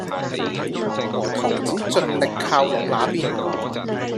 和桃子盡力靠攏那邊